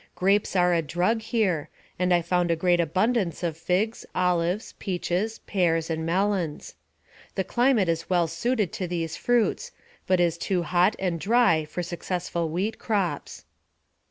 Grapes are a drug here, and I found a great abundance of figs, olives, peaches, pears, and melons. The climate is well suited to these fruits, but is too hot and dry for successful wheat crops.